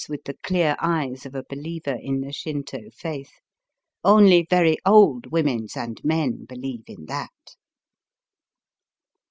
with the clear eyes of a believer in the Shinto faith. Only very old womens and men believe in that."